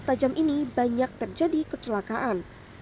di kelok tajam ini banyak terjadi kecelakaan